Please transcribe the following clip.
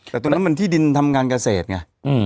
แต่ดินมันทำงานเกษตรไง